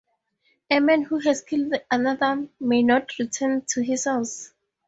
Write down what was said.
A man who has killed another may not return to his house.